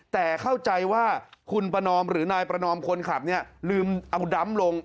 แต่เข้าใจว่าคุณประนอมหรือนายประนอมคนขับเนี่ยลืมเอาดำลง